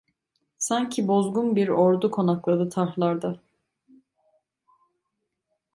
Sanki bozgun bir ordu konakladı tarhlarda...